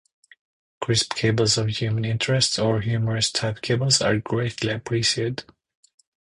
Crisp cables of human interest or humorous type cables are greatly appreciated.